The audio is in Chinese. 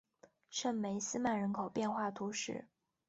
圣梅斯曼人口变化图示